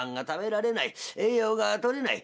栄養がとれない。